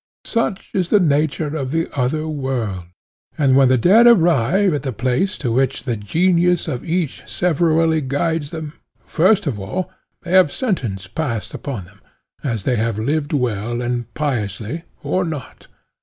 Such is the nature of the other world; and when the dead arrive at the place to which the genius of each severally guides them, first of all, they have sentence passed upon them, as they have lived well and piously or not.